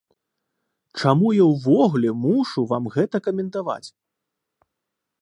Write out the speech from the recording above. Чаму я ўвогуле мушу вам гэта каментаваць?